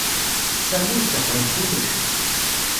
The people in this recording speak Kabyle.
Sami ifehhem kullec.